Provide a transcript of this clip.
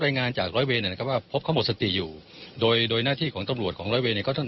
เราก่อนหน้านี้ที่เราจับกลมตัวเขามาเนี่ยเขาก็ทุกคนข้ามร้ายเหมือนกัน